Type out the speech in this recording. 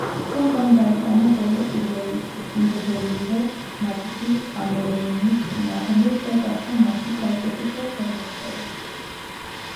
ჰონდამ გაიტანა გოლი პირველივე მატჩში კამერუნის წინააღმდეგ და გახდა მატჩის საუკეთესო ფეხბურთელი.